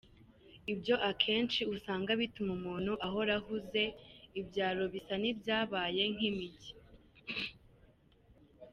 Ibyo akenshi usanga bituma umuntu ahora ahuze, ibyaro bisa n’ibyabaye nk’imijyi.